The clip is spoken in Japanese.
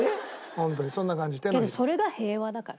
ホントにそんな感じ手のひら。